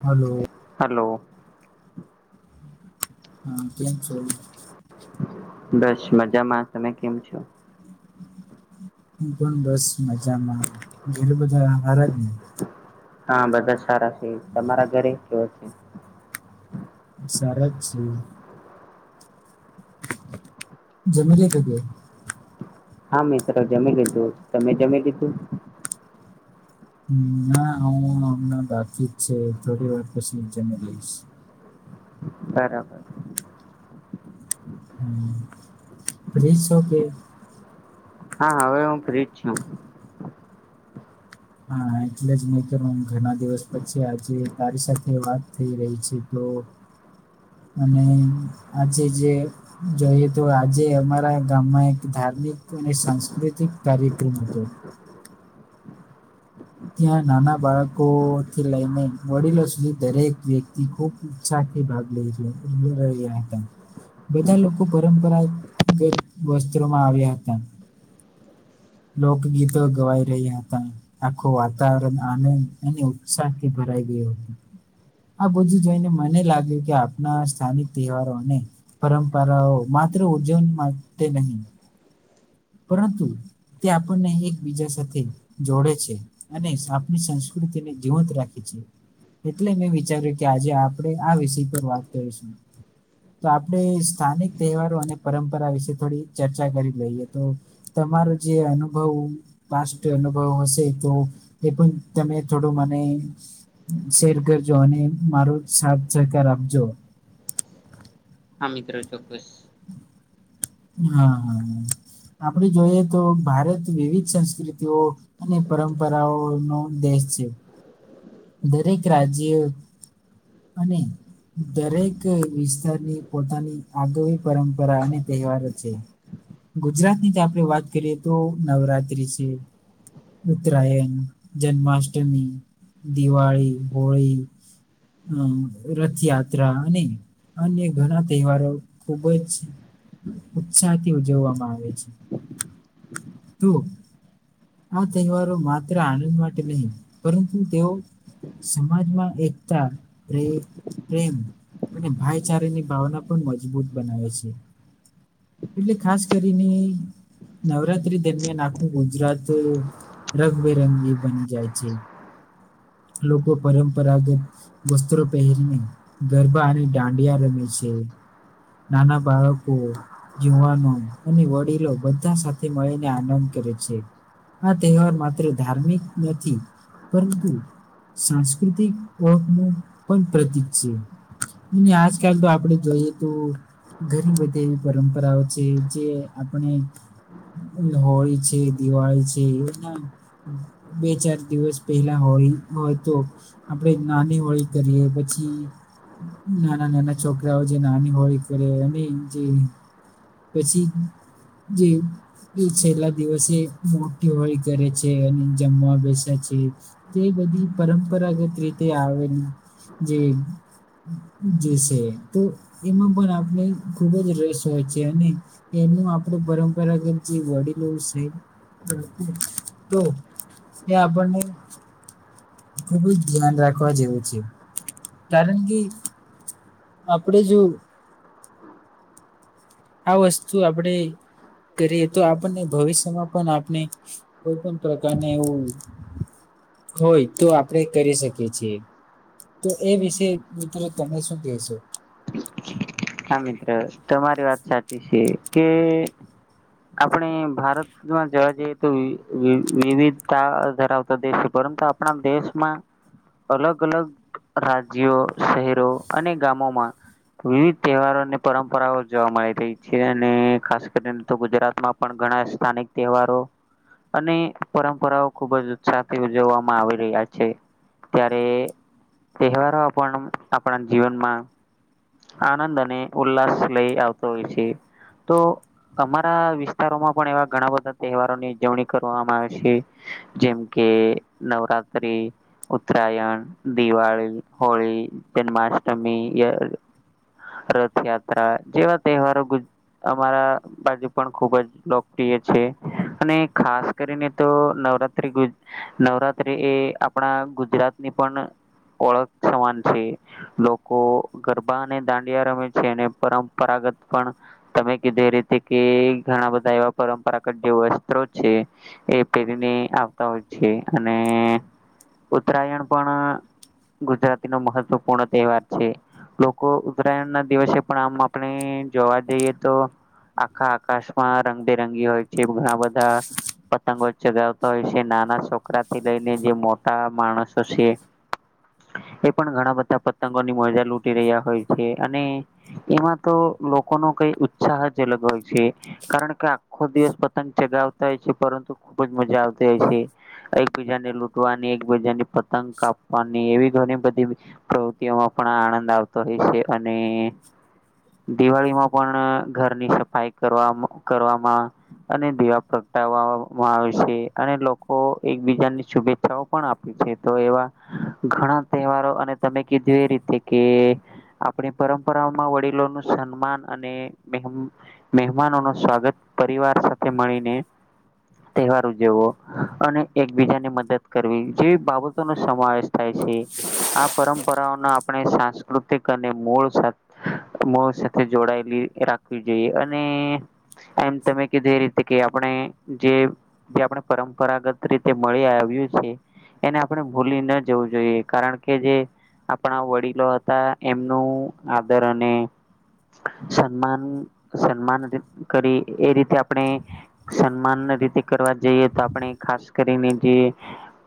Hello- hello- હા કેમ છો. બસ મજામાં તમે કેમ છો. હું પણ બસ મજામાં ઘેરે બધા હારા જ ને- હા બધા સારા છે તમારા ઘરે કેવો છે. સારા જ છે. જમી લીધુ કે હા મિત્ર જમી લીધું તમે જમી લીધું ના હું હમણાં બાકી જ છે થોડી વાર પછી જમી લઈશ. બરાબર. હમ્મ. ફ્રી સો કે. હા હવે હું ફ્રી જ છું. હા એટલે જ મેં કેમ એમ ઘણા દિવસ પછી આજે તારી સાથે વાત થઈ રહી છે તો અને આજે જે જોઈએ તો આજે અમારા ગામમાં એક ધાર્મિક અને સાંસ્કૃતિક કાર્યક્રમ હતો. ત્યાં નાના બાળકોથી લઈને વડીલો સુધી દરેક વ્યક્તિ ખૂબ ઉત્સાહ થી ભાગ લે છે લેય રહ્યા હતા. બધા લોકો પરંપરાગત વસ્ત્રોમાં આવ્યા હતા. લોક ગીતો ગવાઈ રહ્યા હતા. આખું વાતાવરણ આનંદ અને ઉત્સાહ થી ભરાઈ ગયું હતું. આ બધું જોઈને મને લાગ્યું કે આપના સ્થાનિક તહેવારોને પરંપરાઓ માત્ર ઉજવણી માટે નહી પરંતુ તે આપણને એકબીજા સાથે જોડે છે. અને આપણી સંસ્કૃતિને જીવંત રાખી છે. એટલે મેં વિચાર્યું કે આજે આપણે આ વિષય પર વાત કરીશું. તો આપણે સ્થાનિક તહેવારો અને પરંપરા વિશે થોડી ચર્ચા કરી લઈએ તો તમારુ જે અનુભવ પાસ્ટ અનુભવ હશે તો એ પણ તમે થોડું મને શેર કરજો અને મારું સાથ સહકાર આપજો હા મિત્ર ચોક્કસ હા આપણે જોઈએ તો ભારત વિવિધ સંસ્કૃતિઓ અને પરંપરાઓ નો દેશ છે. દરેક રાજ્યો અને દરેક વિસ્તારની પોતાની આગવી પરંપરા અને તહેવારો છે ગુજરાત ની જ આપણે વાત કરીએ તો નવરાત્રી છે ઉત્તરાયણ જન્માષ્ટમી દિવાળી હોળી હમ્મ રથયાત્રા અને અન્ય ઘણા તહેવારો ખુબ જ ઉત્સાહ થી ઉજવવામાં આવે છે. તો આ તહેવારો માત્ર આનંદ માટે નહીં પરંતુ તેઓ સમાજમાં એકતા પ્રત્ય પ્રેમ અને ભાઈચારાની ભાવના પણ મજબૂત બનાવે છે એટલે ખાસ કરીને નવરાત્રી દરમિયાન આખું ગુજરાત રંગબેરંગી બની જાય છે લોકો પરંપરાગત વસ્ત્રો પહેરીને ગરબા અને દાંડિયા રમે છે નાના બાળકો યુવાનો અને વડીલો બધા સાથે મળીને આનંદ કરે છે આ તહેવાર માત્ર ધાર્મિક નથી પરંતુ સાંસ્કૃતિક ઓળખનું પણ પ્રતીક છે નહીં આજકાલ તો આપણે જોઈએ તો ઘણી બધી એવી પરંપરાઓ છે જે આપણે હોળી છે દિવાળી છે એના બે ચાર દિવસ પેલા હોય હોય તો આપણેે નાની હોળી કરીએ પછી નાના નાના છોકરાઓ જે નાની હોળી કરે અને જે પછી જે છેલ્લા દિવસે મોટી હોળી કરે છે અને જમવા બેસે છે‌. તે બધી પરંપરાગત રીતે આવેલી જે જશે તો એમાં પણ આપણે ખુબ જ રસ હોય છે અને એનું આપણે પરંપરાગત જે વડીલો છે [inaudible] તો એ આપણને ખુબ જ ધ્યાન રાખવા જેવું છે કારણ કે આપણે જોયું આ વસ્તુ આપણે કરીએ તો આપણને ભવિષ્યમાં પણ આપણે કોઈપણ પ્રકારને એવું હોય તો આપણેે કરી શકીએ છીએ તોએ વિશે મિત્રો તમે શું કહેશો હા મિત્ર તમારી સાચી છે કે આપણે ભારત જોવા જઈએ તો વિવિધ વિવિધતા ધરાવતો દેશ છે પરંતુ આપણા દેશમાં. અલગ અલગ રાજ્યો શહેરો અને ગામોમાં વિવિધ તહેવારોની પરંપરાઓ જોવા મળી રહી છે અને કરીને તો પણ ઘણા સ્થાનિક તહેવારો અને પરંપરાઓ ખુબ જ ઉત્સાહથી ઉજવવામાં આવી રહ્યા છે ત્યારે તહેવારો પણ આપણા જીવનમાં આનંદ અને ઉલ્લાસ લઈ આવતો હોય છે. તો અમારા વિસ્તારોમાં પણ એવા ઘણા બધા તહેવારોની ઉજવણી કરવામાં આવે છે. જેમ કે નવરાત્રી ઉત્તરાયણ, દિવાળી, હોળી, જન્માષ્ટમી રથયાત્રા જેવા તહેવારો ગુજ અમારા બાજુ પણ ખુબ જ લોકપ્રિય છે. અને ખાસ કરીને તો નવરાત્રી ગુજ નવરાત્રી એ આપણા ગુજરાતની પણ ઓળખ સમાન છે, લોકો ગરબા અને દાંડિયા રમે છે, અને પરંપરાગત પણ તમે કીધું એ રીતે કે ઘણા બધા એવા પરંપરાગત જે વસ્ત્રો છે. એ પહેરીને આવતા હોય છે, અને ઉત્તરાયણ પણ ગુજરાતી નો મહત્વપૂર્ણ તહેવાર છે, લોકો ઉત્તરાયણ ના દિવસે પણ આમ આપણે જોવા જઈએ તો, આખા આકાશમાં રંગબેરંગી હોય છે, ઘણા બધા પતંગો ચગાવતા હોય છે નાના છોકરા થી લઈને જે મોટા માણસો છે. [inaudible] એ પણ ઘણા બધા પતંગો ની મજા લૂ ટી રહ્યા હોય છે, અને એમાં તો લોકો ન કઈ ઉત્સાહ જ અલગ હોય છે. કારણ કે આખો દિવસ પતંગ ચગાવતા હોય છે, પરંતુ ખુબ જ મજા આવતી હોય છે. એકબીજાને લૂંટવાની એકબીજા ની પતંગ કાપવાની એવી ઘણી બધી પ્રવૃત્તિઓમાં પણ આનંદ આવતો હોય છે અને દિવાળીમાં પણ ઘરની સફાઈ કરવા કરવામાં અને દીવા પ્રગટાવવામાં આવે છે અને લોકો એકબીજાની શુભેચ્છાઓ પણ આપી છે તો એવા ઘણા તહેવારો અને તમે કીધું એ રીતે કે આપણી પરંપરામાં વડીલોનું સન્માન અને મહેમાનો નો સ્વાગત પરિવાર સાથે મળીને તહેવાર ઉજવો અને એકબીજાની મદદ કરવી જેવી બાબતો નો સમાવેશ થાય છે આ પરંપરાઓના આપણે સાંસ્કૃતિક અને મૂળ સાથ મૂળ સાથે જોડાયેલી રાખવી જોઈએ અને એમ તમે કીધું એ રીતે કે આપણે જે જે આપણે પરંપરાગત રીતે મળી આવ્યું છે. એને આપણે ભૂલી ન જવું જોઈએ કારણ કે જે આપણા વડીલો હતા એમનું આદર અને સન્માન સન્માન કરી એ રીતે આપણે સન્માન ને રીતે કરવા જઈએ તો આપણે ખાસ કરીને જે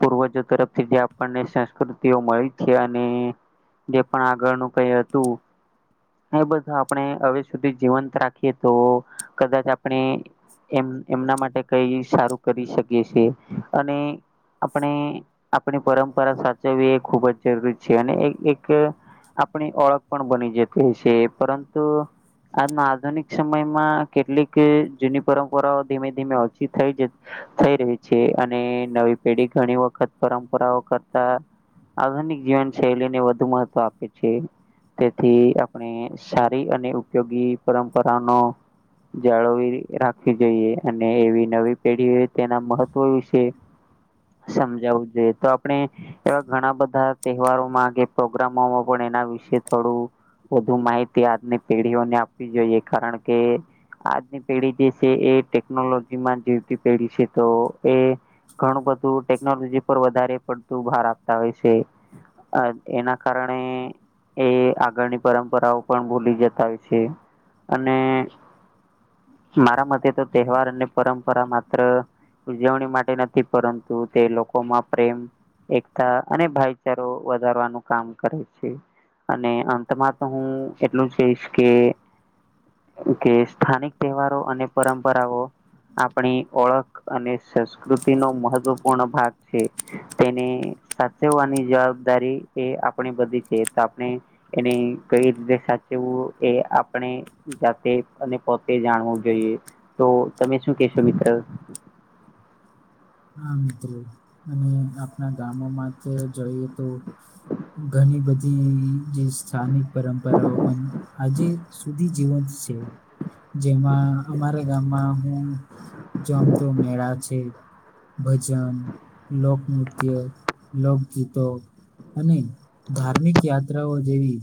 પૂર્વજો તરફથી જે આપણને સંસ્કૃતિઓ મળી છે અને જે પણ આગળનું કઈ હતું એ બધા આપણે હવે સુધી જીવંત રાખીએ તો કદાચ આપણે એમ એમના માટે કઈ સારું કરી શકીએ છે અને આપણે આપણી પરંપરા સાચવવી એ ખૂબ જ જરૂરી છે અને એક એક આપણી ઓળખ પણ બની જતી હશે પરંતુ આજમાં આધુનિક સમયમાં કેટલીક જૂની પરંપરાઓ ધીમે ધીમે ઓછી થઈ જ થઈ રહી છે અને નવી પેઢી ઘણી વખત પરંપરાઓ કરતા આધુનિક જીવન શૈલીને વધુ મહત્વ આપે છે તેથી આપણે સારી અને ઉપયોગી પરંપરાનો જાળવી રાખવી જોઈએ અને એવી નવી પેઢી તેના મહત્વ વિશે સમજાવવું જોઈએ તપ આપણે એવા ઘણા બધા તહેવારોમાં કે પ્રોગ્રામોમાં પણ એના વિશે થોડું વધુ માહિતી આજની પેઢીઓને આપવી જોઈએ કારણ કે આજની પેઢી જે છે એ ટેકનોલોજીમાં જીવતી પેઢી છે તો એ ઘણું બધું ટેકનોલોજી પર વધારે પડતું ભાર આપતા હોય છે. અ એના કારણે એ આગળની પરંપરાઓ પણ ભૂલી જતા હોય છે અને મારા મતે તો તહેવાર અને પરંપરા માત્ર ઉજવણી માટે નથી પરંતુ તે લોકોમાં પ્રેમ એકતા અને ભાઈચારો વધારવાનું કામ કરે છે અને આમ તમારે તો હું એટલું જ કઈશ કે કે સ્થાનિક તહેવારો અને પરંપરાઓ. આપણી ઓળખ અને સંસ્કૃતિ નો મહત્વપૂર્ણ ભાગ છે. તેને સાચવવાની જવાબદારી એ આપણે બધી છે તો આપણે એને કઈ રીતે સાચવું એ આપણે જાતે અને પોતે જાણવું જોઈએ તો તમે શું કેશો મિત્ર હા, મિત્રો અને આપણા ગામોમાં તો જોઈએ, તો ઘણી બધી- જે સ્થાનિક પરંપરાઓ પણ આજે સુધી જીવંત છે. જેમાં અમારા ગામમાં હું જોમતો મેળા છે. ભજન, લોકનૃત્ય, લોકગીતો અને ધાર્મિક યાત્રાઓ જેવી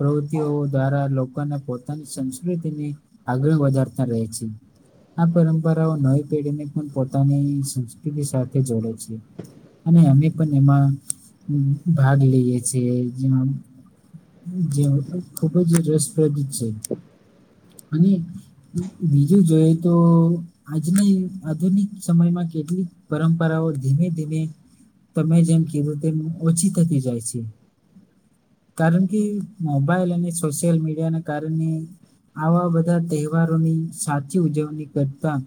પ્રવૃત્તિઓ દ્વારા, લોકોને પોતાની સંસ્કૃતિની- આગળ વધારતા રહે છે. આ પરંપરાઓ નવી પેઢીને એકદમ પોતાની સંસ્કૃતિ સાથે જોડે છે. અને, અમે પણ, એમાં ભાગ લઈએ છીએ. જે- ખુબ જ રસપ્રદ છે. અને બીજું જોઈ તો આજની આધુનિક સમયમાં કેટલીક પરંપરાઓ ધીમે, ધીમે તમે જેમ કીધું તેમ ઓછી થતી જાય છે. કારણ કે મોબાઈલ અને સોશિયલ મીડિયાના કારણે આવા બધા તહેવારોની સાચી ઉજવણી કરતા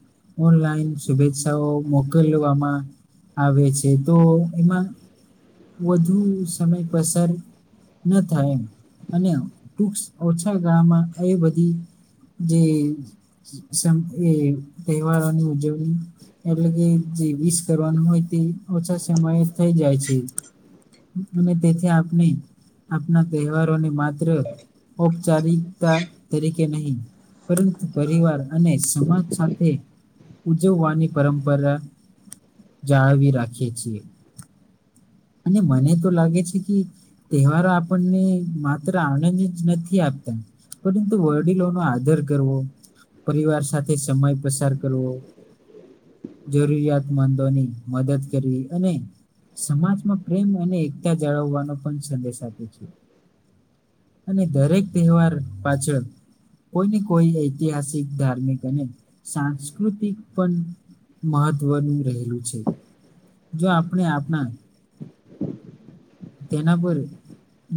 ઓનલાઈન શુભેચ્છાઓ મોકલવામાં આવે છે તો એમાં વધુ સમય પસાર ન થાય એમ અને ટૂક ઓછા ગાળામાં એ બધી જે એ સમ એ તહેવારોની ઉજવણી એટલે કે જે વિષ કરવાનું હોય તે ઓછા સમયે થઈ જાય છે. અને તેથી આપને આપના તહેવારોને માત્ર ઔપચારિકતા તરીકે નહી પરંતુ પરિવાર અને સમાજ સાથે ઉજવવાની પરંપરા જાળવી રાખીએ છીએ અને મને તો લાગે છે કી તહેવારો આપણને માત્ર આનંદ જ નથી આપતા પરંતુ વડીલોનો આદર કરવો પરિવાર સાથે સમય પસાર કરવો જરૂરિયાત મંદોની મદદ કરવી અને સમાજમાં પ્રેમ અને એકતા જાળવવાનો પણ સંદેશ આપે છે. અને દરેક તહેવાર પાછળ કોઈને કોઈ એક ઐતિહાસિક ધાર્મિક અને સાંસ્કૃતિક પણ મહત્વનું રહેલું છે જો આપણે આપણા તેના પર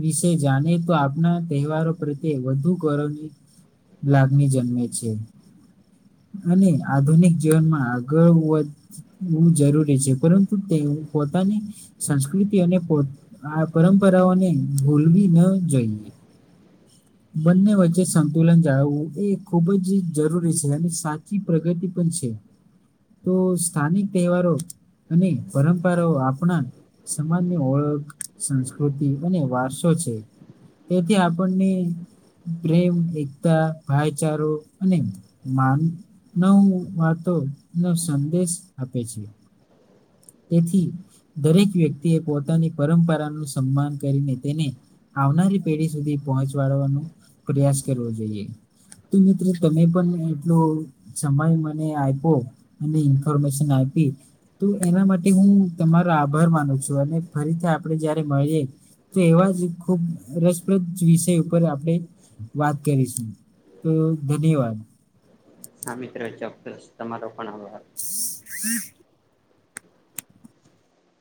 વિશે જાણીએ તો આપના તહેવારો પ્રત્યે વધુ ગૌરવની લાગણી જન્મે છે, અને આધુનિક જીવનમાં ઘર વત હોવું જરૂરી છે પરંતુ તેઓ પોતાની સંસ્કૃતિ અને પોત આ પરંપરાઓને ભુલવી ન જોઈએ બંને વચ્ચે સંતુલન જાળવવું એ ખૂબ જ જરૂરી છે અને સાચી પ્રગતિ પણ છે. તો સ્થાનિક તહેવારો અને પરંપરાઓ આપણા સમાજની ઓળખ સંસ્કૃતિ અને વારસો છે. તેથી આપણને પ્રેમ, એકતા, ભાઈચારો અને માન નવ વાતોનો સંદેશ આપે છે. તેથી દરેક વ્યક્તિ એ પોતાની પરંપરાનું સન્માન કરીને તેને આવનારી પેઢી સુધી પહોંચવાડવાનો પ્રયાસ કરવો જોઈએ. તો મિત્રો તમે પણ એટલો સમય મને આઈપો એની ઇન્ફોર્મેશન આપી. તો એના માટે હું તમારો આભાર માનું છું અને ફરીથી આપડે જ્યારે મળીએ તો એવા જ ખૂબ રસપ્રદ વિષય ઉપર આપડે વાત કરીશું તો ધન્યવાદ હા મિત્ર ચોક્કસ તમારો પણ આભાર હમ [unintelligible]